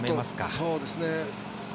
そうですね。